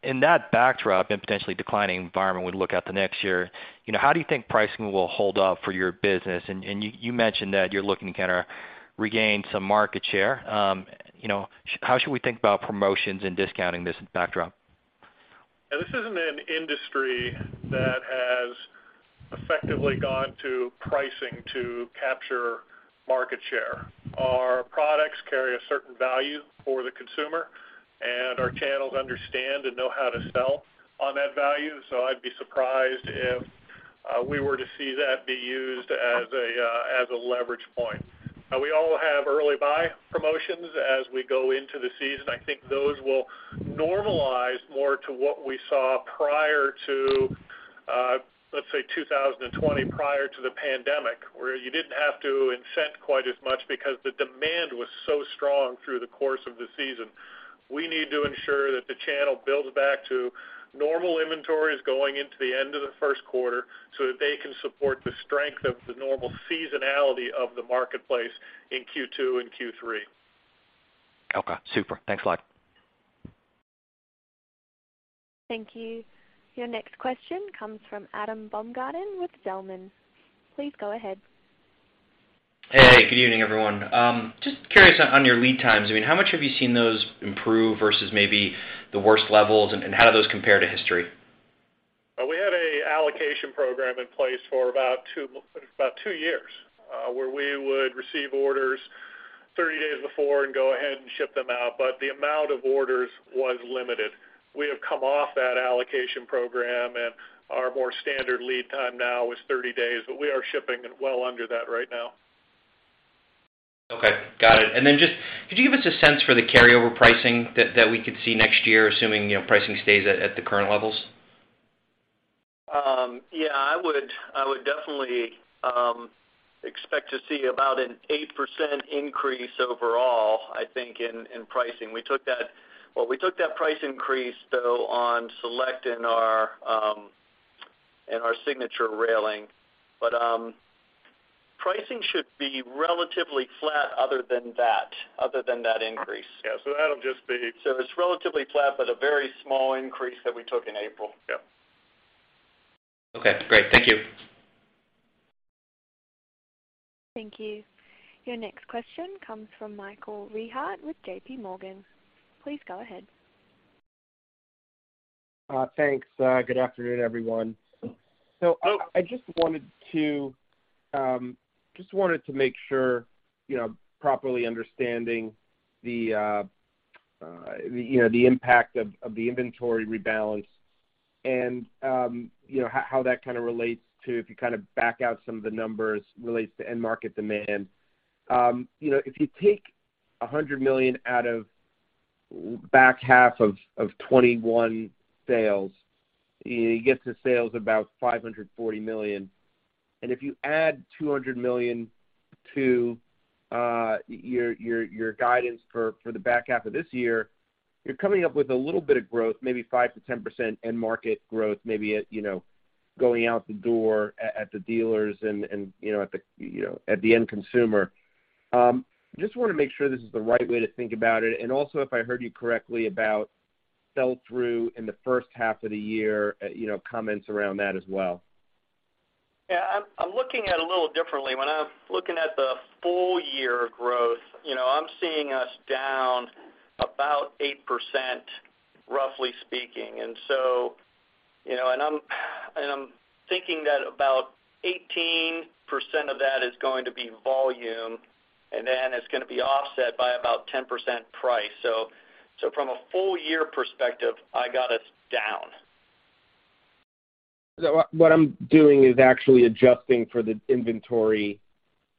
In that backdrop and potentially declining environment as we look at the next year, you know, how do you think pricing will hold up for your business? You mentioned that you're looking to kinda regain some market share. How should we think about promotions and discounting in this backdrop? Yeah, this isn't an industry that has effectively gone to pricing to capture market share. Our products carry a certain value for the consumer, and our channels understand and know how to sell on that value. I'd be surprised if we were to see that be used as a leverage point. Now we all have early buy promotions as we go into the season. I think those will normalize more to what we saw prior to, let's say 2020, prior to the pandemic, where you didn't have to incent quite as much because the demand was so strong through the course of the season. We need to ensure that the channel builds back to normal inventories going into the end of the first quarter, so that they can support the strength of the normal seasonality of the marketplace in Q2 and Q3. Okay, super. Thanks a lot. Thank you. Your next question comes from Adam Baumgarten with Zelman. Please go ahead. Hey, good evening, everyone. Just curious on your lead times. I mean, how much have you seen those improve versus maybe the worst levels, and how do those compare to history? We had an allocation program in place for about 2 years, where we would receive orders 30 days before and go ahead and ship them out, but the amount of orders was limited. We have come off that allocation program, and our more standard lead time now is 30 days, but we are shipping at well under that right now. Okay, got it. Just, could you give us a sense for the carryover pricing that we could see next year, assuming, you know, pricing stays at the current levels? Yeah, I would definitely expect to see about an 8% increase overall, I think in pricing. Well, we took that price increase, though, on Select and our Signature Railing. Pricing should be relatively flat other than that increase. Yeah. That'll just be. It's relatively flat, but a very small increase that we took in April. Yeah. Okay, great. Thank you. Thank you. Your next question comes from Michael Rehaut with J.P. Morgan. Please go ahead. Thanks. Good afternoon, everyone. I just wanted to make sure, you know, properly understanding the impact of the inventory rebalance and, you know, how that kind of relates to, if you kind of back out some of the numbers, relates to end market demand. You know, if you take $100 million out of back half of 2021 sales, you get to sales about $540 million. If you add $200 million to your guidance for the back half of this year, you're coming up with a little bit of growth, maybe 5%-10% end market growth, maybe at, you know, going out the door at the dealers and, you know, at the end consumer. Just wanna make sure this is the right way to think about it. Also, if I heard you correctly about sell-through in the first half of the year, you know, comments around that as well. Yeah. I'm looking at it a little differently. When I'm looking at the full year growth, you know, I'm seeing us down about 8%, roughly speaking. You know, I'm thinking that about 18% of that is going to be volume, and then it's gonna be offset by about 10% price. From a full year perspective, I got us down. What I'm doing is actually adjusting for the inventory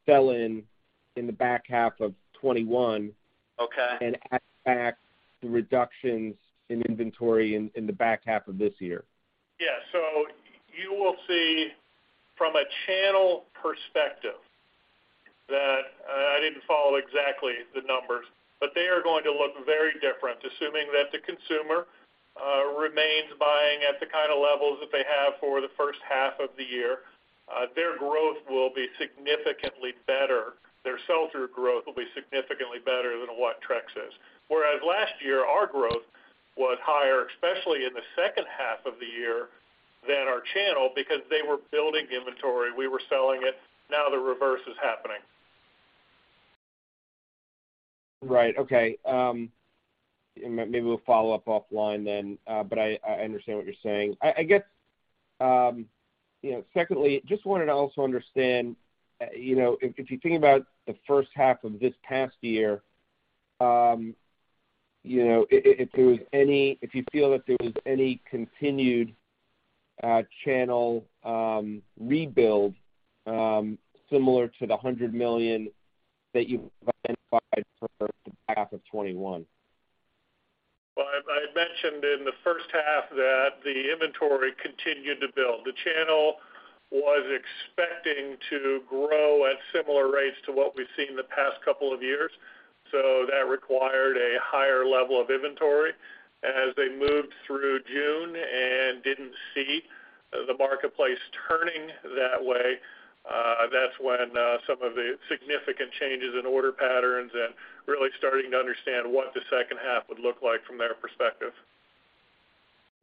sell-in in the back half of 2021. Okay. add back the reductions in inventory in the back half of this year. You will see from a channel perspective that, I didn't follow exactly the numbers, but they are going to look very different. Assuming that the consumer remains buying at the kind of levels that they have for the first half of the year, their growth will be significantly better. Their sell-through growth will be significantly better than what Trex is. Whereas last year, our growth was higher, especially in the second half of the year, than our channel because they were building inventory, we were selling it. Now the reverse is happening. Right. Okay. Maybe we'll follow up offline then. I understand what you're saying. I guess, you know, secondly, just wanted to also understand, you know, if you think about the first half of this past year, you know, if you feel that there was any continued channel rebuild, similar to the $100 million that you've identified for the back half of 2021. Well, I mentioned in the first half that the inventory continued to build. The channel was expecting to grow at similar rates to what we've seen the past couple of years. That required a higher level of inventory. As they moved through June and didn't see the marketplace turning that way, that's when some of the significant changes in order patterns and really starting to understand what the second half would look like from their perspective.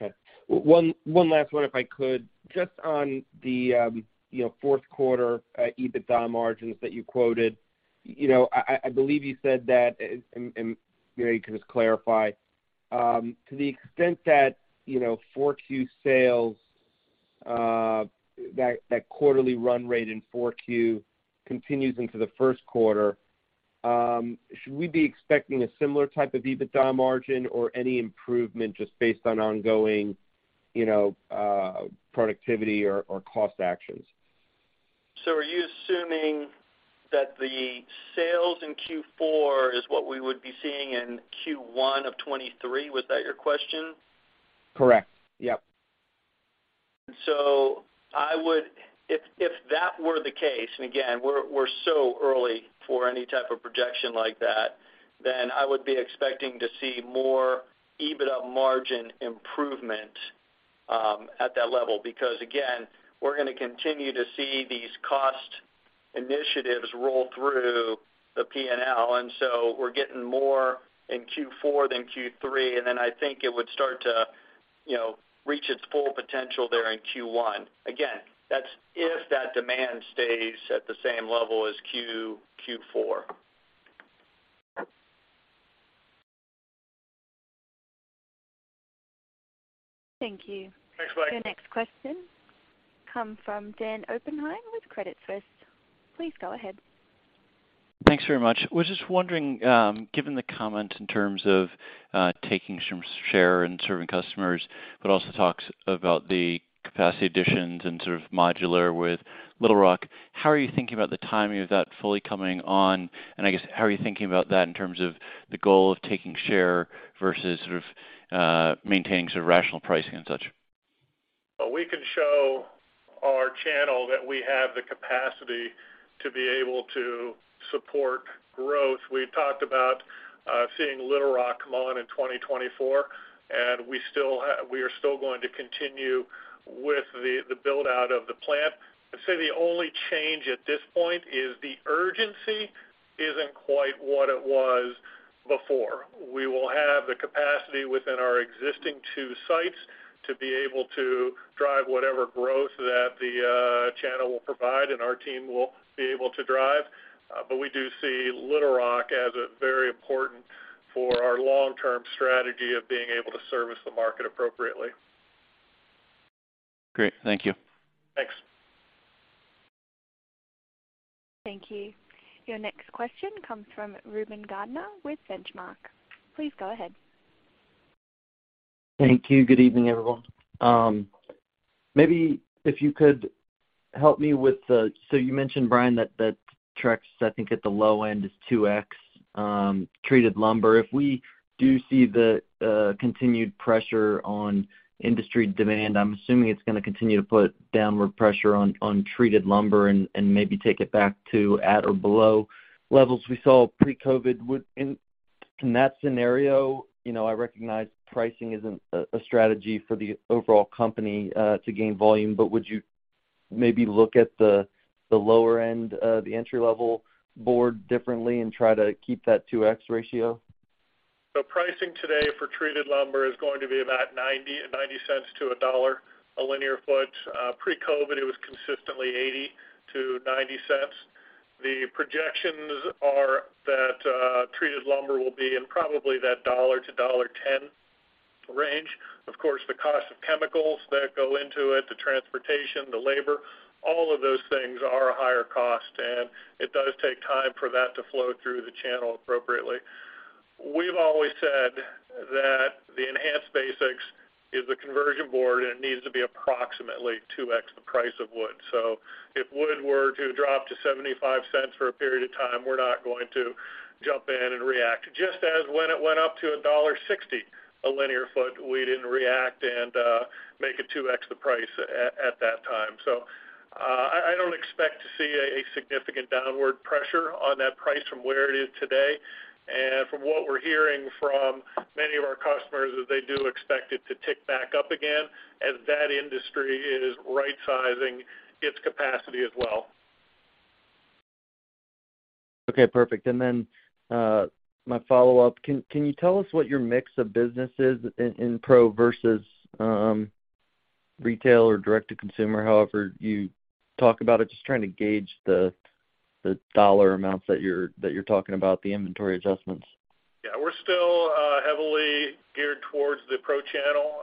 Okay. One last one, if I could. Just on the, you know, fourth quarter EBITDA margins that you quoted. You know, I believe you said that, and maybe you can just clarify, to the extent that, you know, 4Q sales, that quarterly run rate in 4Q continues into the first quarter, should we be expecting a similar type of EBITDA margin or any improvement just based on ongoing, you know, productivity or cost actions? Are you assuming that the sales in Q4 is what we would be seeing in Q1 of 2023? Was that your question? Correct. Yep. I would— If that were the case, and again, we're so early for any type of projection like that, then I would be expecting to see more EBITDA margin improvement at that level. Because, again, we're gonna continue to see these cost initiatives roll through the P&L. We're getting more in Q4 than Q3, and then I think it would start to, you know, reach its full potential there in Q1. Again, that's if that demand stays at the same level as Q4. Thank you. Thanks, Mike. Your next question come from Dan Oppenheim with Credit Suisse. Please go ahead. Thanks very much. I was just wondering, given the comment in terms of taking some share and serving customers, but also talks about the capacity additions and sort of modular with Little Rock, how are you thinking about the timing of that fully coming on? I guess, how are you thinking about that in terms of the goal of taking share versus sort of maintaining sort of rational pricing and such? We can show our channel that we have the capacity to be able to support growth. We talked about seeing Little Rock come on in 2024, and we are still going to continue with the build-out of the plant. I'd say the only change at this point is the urgency isn't quite what it was before. We will have the capacity within our existing two sites to be able to drive whatever growth that the channel will provide and our team will be able to drive. We do see Little Rock as a very important for our long-term strategy of being able to service the market appropriately. Great. Thank you. Thanks. Thank you. Your next question comes from Reuben Garner with Benchmark. Please go ahead. Thank you. Good evening, everyone. Maybe if you could help me with you mentioned, Brian, that Trex, I think, at the low end is 2x treated lumber. If we do see the continued pressure on industry demand, I'm assuming it's gonna continue to put downward pressure on treated lumber and maybe take it back to at or below levels we saw pre-COVID. In that scenario, you know, I recognize pricing isn't a strategy for the overall company to gain volume, but would you maybe look at the lower end of the entry-level board differently and try to keep that 2x ratio? The pricing today for treated lumber is going to be about $0.90-$1 a linear foot. Pre-COVID, it was consistently $0.80-$0.90. The projections are that treated lumber will be in probably that $1-$1.10 range. Of course, the cost of chemicals that go into it, the transportation, the labor, all of those things are a higher cost, and it does take time for that to flow through the channel appropriately. We've always said that the Enhance Basics is a conversion board, and it needs to be approximately 2x the price of wood. If wood were to drop to $0.75 for a period of time, we're not going to jump in and react. Just as when it went up to $1.60 a linear foot, we didn't react and make it 2x the price at that time. I don't expect to see a significant downward pressure on that price from where it is today. From what we're hearing from many of our customers is they do expect it to tick back up again as that industry is rightsizing its capacity as well. Okay, perfect. My follow-up. Can you tell us what your mix of business is in pro versus retail or direct-to-consumer, however you talk about it? Just trying to gauge the dollar amounts that you're talking about the inventory adjustments. Yeah. We're still heavily geared towards the pro channel.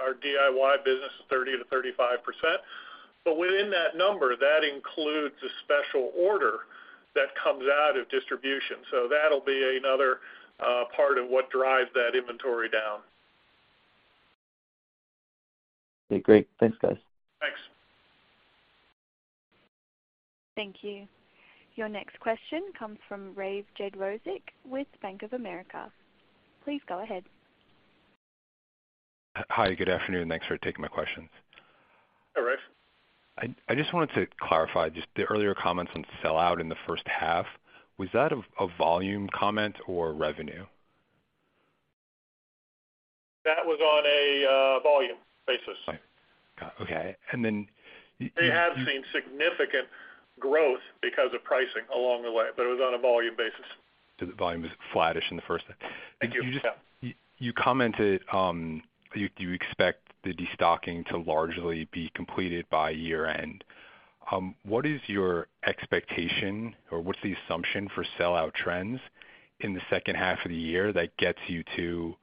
Our DIY business is 30%-35%. Within that number, that includes a special order that comes out of distribution. That'll be another part of what drives that inventory down. Okay, great. Thanks, guys. Thanks. Thank you. Your next question comes from Rafe Jadrosich with Bank of America. Please go ahead. Hi, good afternoon, and thanks for taking my questions. Hi, Rick. I just wanted to clarify just the earlier comments on sell-out in the first half. Was that a volume comment or revenue? That was on a volume basis. Okay. They have seen significant growth because of pricing along the way, but it was on a volume basis. The volume is flattish in the first half. Thank you. Yeah. You commented you expect the destocking to largely be completed by year-end. What is your expectation or what's the assumption for sell-out trends in the second half of the year that gets you to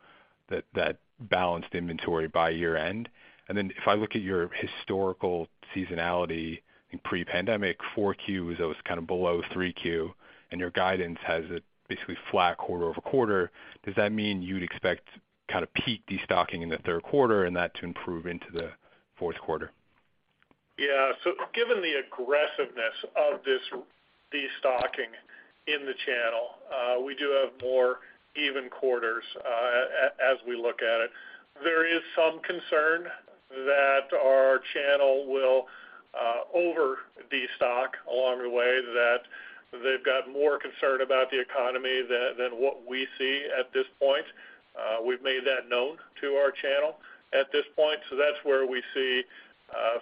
that balanced inventory by year-end? If I look at your historical seasonality in pre-pandemic, 4Q was always kind of below 3Q, and your guidance has it basically flat quarter-over-quarter. Does that mean you'd expect kind of peak destocking in the third quarter and that to improve into the fourth quarter? Yeah. Given the aggressiveness of this destocking in the channel, we do have more even quarters as we look at it. There is some concern that our channel will over destock along the way, that they've got more concern about the economy than what we see at this point. We've made that known to our channel at this point. That's where we see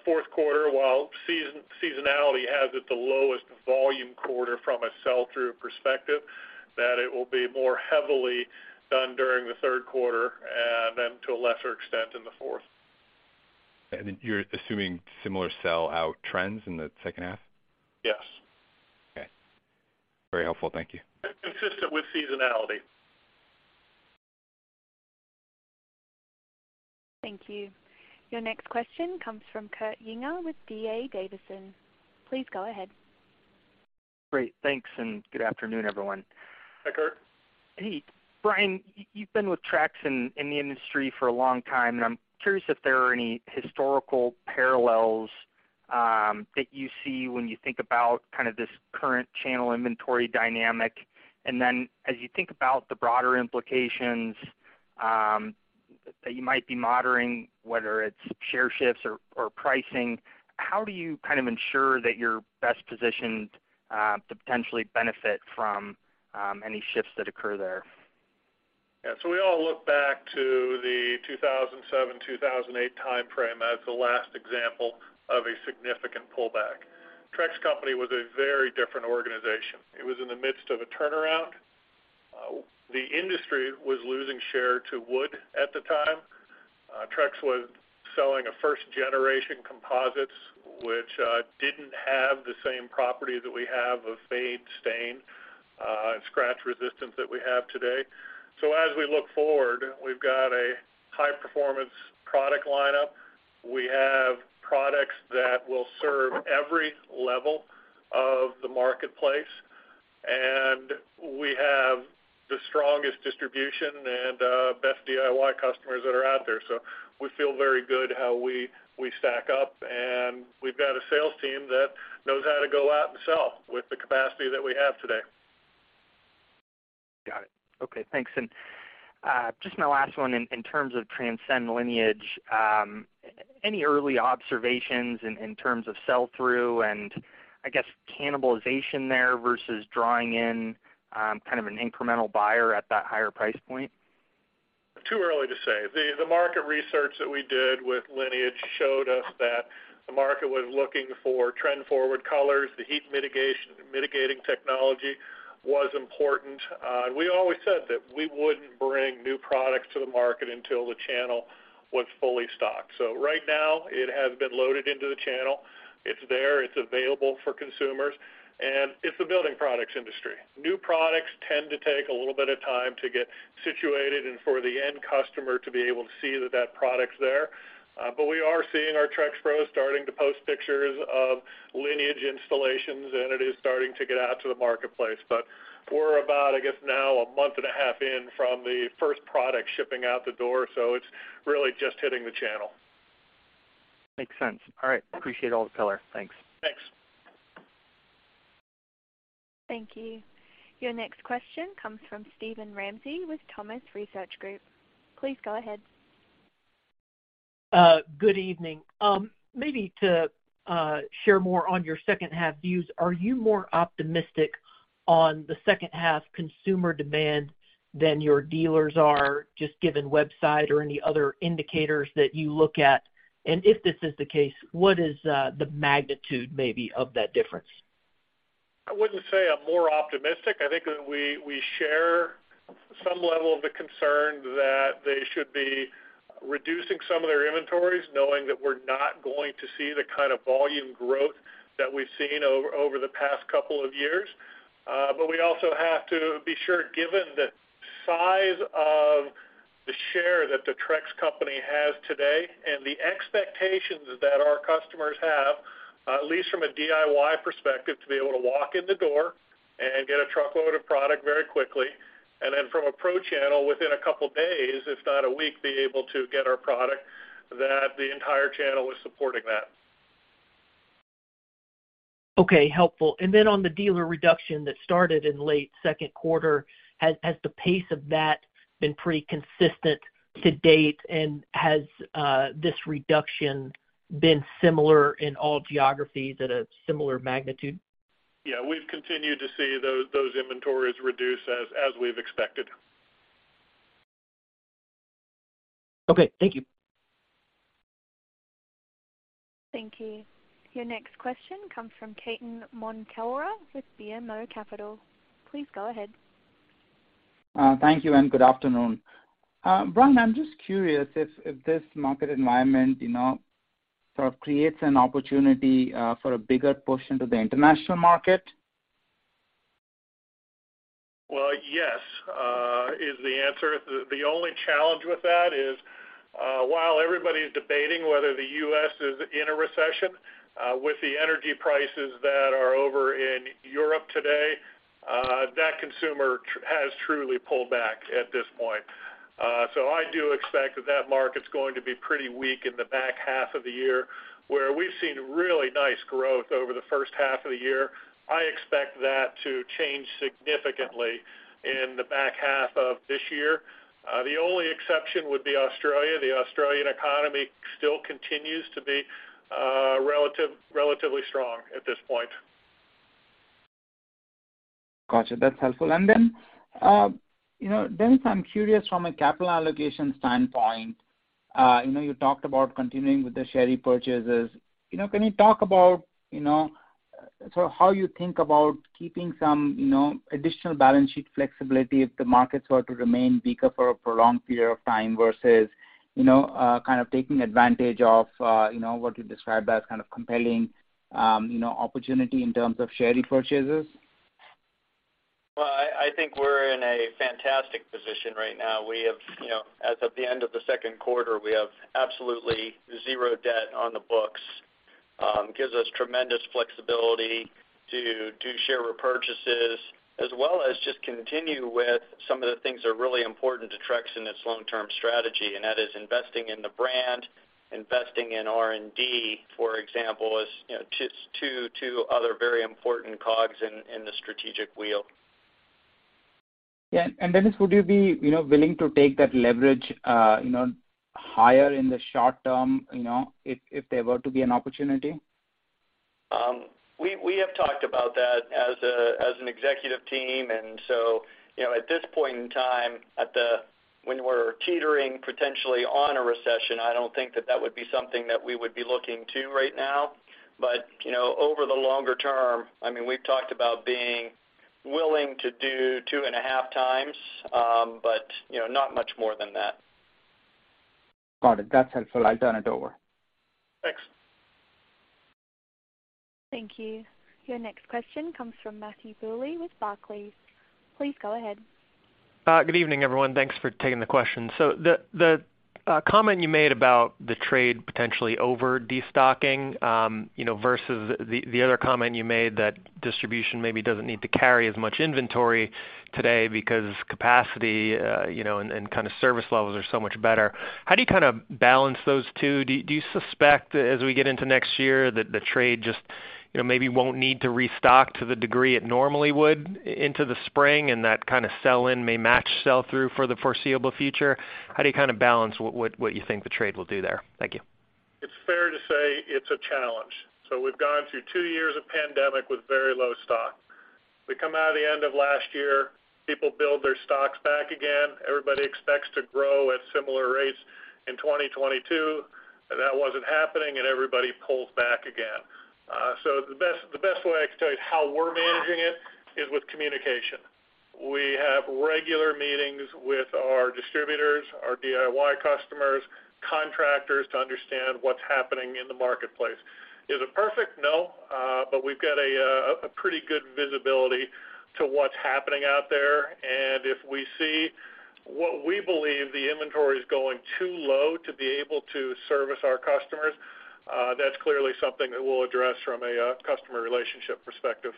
fourth quarter, while seasonality has it the lowest volume quarter from a sell-through perspective, that it will be more heavily done during the third quarter and then to a lesser extent in the fourth. You're assuming similar sell-out trends in the second half? Yes. Okay. Very helpful. Thank you. Consistent with seasonality. Thank you. Your next question comes from Kurt Yinger with D.A. Davidson. Please go ahead. Great. Thanks, and good afternoon, everyone. Hi, Kurt. Hey. Bryan, you've been with Trex and in the industry for a long time, and I'm curious if there are any historical parallels that you see when you think about kind of this current channel inventory dynamic. Then as you think about the broader implications that you might be monitoring, whether it's share shifts or pricing, how do you kind of ensure that you're best positioned to potentially benefit from any shifts that occur there? Yeah. We all look back to the 2007, 2008 time frame as the last example of a significant pullback. Trex Company was a very different organization. It was in the midst of a turnaround. The industry was losing share to wood at the time. Trex was selling a first-generation composites, which didn't have the same property that we have of fade, stain, and scratch resistance that we have today. As we look forward, we've got a high-performance product lineup. We have products that will serve every level of the marketplace, and we have the strongest distribution and best DIY customers that are out there. We feel very good how we stack up, and we've got a sales team that knows how to go out and sell with the capacity that we have today. Got it. Okay, thanks. Just my last one in terms of Transcend Lineage, any early observations in terms of sell-through and I guess cannibalization there versus drawing in kind of an incremental buyer at that higher price point? Too early to say. The market research that we did with Lineage showed us that the market was looking for trend forward colors. The heat mitigation technology was important. We always said that we wouldn't bring new products to the market until the channel was fully stocked. Right now it has been loaded into the channel. It's there, it's available for consumers, and it's a building products industry. New products tend to take a little bit of time to get situated and for the end customer to be able to see that product's there. We are seeing our Trex pros starting to post pictures of Lineage installations, and it is starting to get out to the marketplace. We're about, I guess now, a month and a half in from the first product shipping out the door, so it's really just hitting the channel. Makes sense. All right. Appreciate all the color. Thanks. Thanks. Thank you. Your next question comes from Steven Ramsey with Thompson Research Group. Please go ahead. Good evening. Maybe to share more on your second half views, are you more optimistic on the second half consumer demand than your dealers are just given website or any other indicators that you look at? If this is the case, what is the magnitude maybe of that difference? I wouldn't say I'm more optimistic. I think we share some level of the concern that they should be reducing some of their inventories, knowing that we're not going to see the kind of volume growth that we've seen over the past couple of years. But we also have to be sure, given the size of the share that the Trex Company has today and the expectations that our customers have, at least from a DIY perspective, to be able to walk in the door and get a truckload of product very quickly, and then from a pro channel, within a couple days, if not a week, be able to get our product that the entire channel is supporting that. Okay, helpful. On the dealer reduction that started in late second quarter, has the pace of that been pretty consistent to date? Has this reduction been similar in all geographies at a similar magnitude? Yeah. We've continued to see those inventories reduce as we've expected. Okay. Thank you. Thank you. Your next question comes from Ketan Mamtora with BMO Capital. Please go ahead. Thank you and good afternoon. Brian, I'm just curious if this market environment, you know, sort of creates an opportunity for a bigger push into the international market. Well, yes, is the answer. The only challenge with that is, while everybody's debating whether the U.S. is in a recession, with the energy prices that are over in Europe today, that consumer has truly pulled back at this point. I do expect that market's going to be pretty weak in the back half of the year where we've seen really nice growth over the first half of the year. I expect that to change significantly in the back half of this year. The only exception would be Australia. The Australian economy still continues to be relatively strong at this point. Gotcha. That's helpful. Then, you know, Dennis, I'm curious from a capital allocation standpoint, you know, you talked about continuing with the share repurchases. You know, can you talk about, you know, sort of how you think about keeping some, you know, additional balance sheet flexibility if the markets were to remain weaker for a prolonged period of time versus, you know, kind of taking advantage of, you know, what you described as kind of compelling, opportunity in terms of share repurchases? Well, I think we're in a fantastic position right now. We have, you know, as of the end of the second quarter, we have absolutely 0 debt on the books. Gives us tremendous flexibility to do share repurchases, as well as just continue with some of the things that are really important to Trex in its long-term strategy, and that is investing in the brand, investing in R&D, for example, you know, just 2 other very important cogs in the strategic wheel. Yeah. Dennis, would you be, you know, willing to take that leverage, you know, higher in the short term, you know, if there were to be an opportunity? We have talked about that as an executive team. At this point in time, when we're teetering potentially on a recession, I don't think that would be something that we would be looking to right now. Over the longer term, I mean, we've talked about being willing to do 2.5 times, but not much more than that. Got it. That's helpful. I'll turn it over. Thanks. Thank you. Your next question comes from Matthew Bouley with Barclays. Please go ahead. Good evening, everyone. Thanks for taking the question. The comment you made about the trade potentially over destocking, you know, versus the other comment you made that distribution maybe doesn't need to carry as much inventory today because capacity, you know, and kinda service levels are so much better. How do you kinda balance those two? Do you suspect as we get into next year that the trade just, you know, maybe won't need to restock to the degree it normally would into the spring and that kinda sell-in may match sell-through for the foreseeable future? How do you kinda balance what you think the trade will do there? Thank you. It's fair to say it's a challenge. We've gone through two years of pandemic with very low stock. We come out of the end of last year, people build their stocks back again. Everybody expects to grow at similar rates in 2022. That wasn't happening, and everybody pulls back again. The best way I can tell you how we're managing it is with communication. We have regular meetings with our distributors, our DIY customers, contractors, to understand what's happening in the marketplace. Is it perfect? No. But we've got a pretty good visibility to what's happening out there. If we see what we believe the inventory is going too low to be able to service our customers, that's clearly something that we'll address from a customer relationship perspective.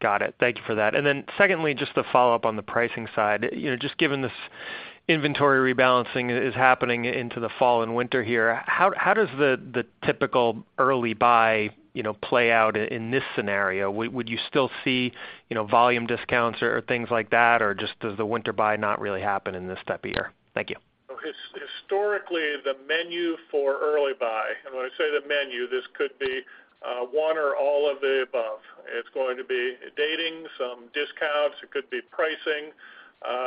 Got it. Thank you for that. Then secondly, just to follow up on the pricing side. You know, just given this inventory rebalancing is happening into the fall and winter here, how does the typical early buy, you know, play out in this scenario? Would you still see, you know, volume discounts or things like that? Or just does the winter buy not really happen in this step of the year? Thank you. Historically, the menu for early buy, and when I say the menu, this could be one or all of the above. It's going to be dating, some discounts, it could be pricing.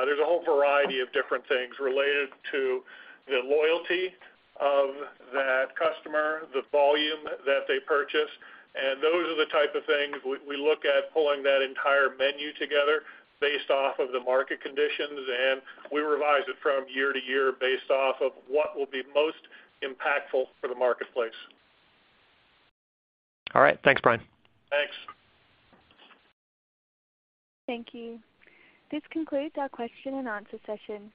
There's a whole variety of different things related to the loyalty of that customer, the volume that they purchase, and those are the type of things we look at pulling that entire menu together based off of the market conditions, and we revise it from year to year based off of what will be most impactful for the marketplace. All right. Thanks, Bryan. Thanks. Thank you. This concludes our question and answer session.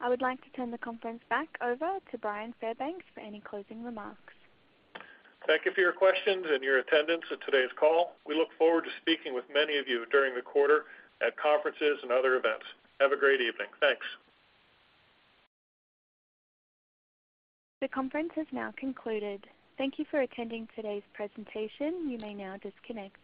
I would like to turn the conference back over to Bryan Fairbanks for any closing remarks. Thank you for your questions and your attendance at today's call. We look forward to speaking with many of you during the quarter at conferences and other events. Have a great evening. Thanks. The conference has now concluded. Thank you for attending today's presentation. You may now disconnect.